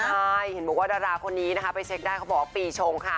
ใช่เห็นบอกว่าดาราคนนี้นะคะไปเช็คได้เขาบอกว่าปีชงค่ะ